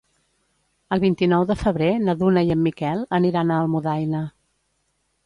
El vint-i-nou de febrer na Duna i en Miquel aniran a Almudaina.